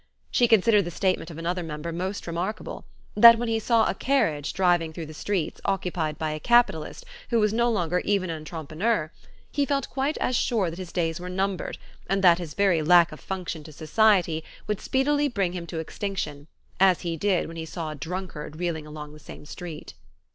She considered the statement of another member most remarkable that when he saw a carriage driving through the streets occupied by a capitalist who was no longer even an entrepreneur, he felt quite as sure that his days were numbered and that his very lack of function to society would speedily bring him to extinction, as he did when he saw a drunkard reeling along the same street.